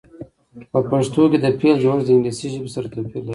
په پښتو کې د فعل جوړښت د انګلیسي ژبې سره توپیر لري.